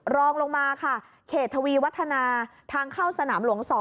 รองลงมาค่ะเขตทวีวัฒนาทางเข้าสนามหลวง๒